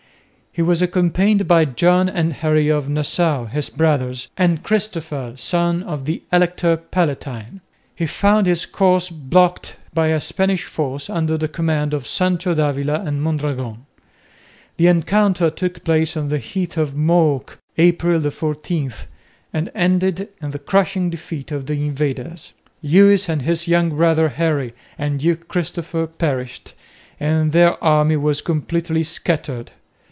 He was accompanied by John and Henry of Nassau, his brothers, and Christopher, son of the Elector Palatine. He found his course blocked by a Spanish force under the command of Sancho d'Avila and Mondragon. The encounter took place on the heath of Mook (April 14) and ended in the crushing defeat of the invaders. Lewis and his young brother, Henry, and Duke Christopher perished, and their army was completely scattered.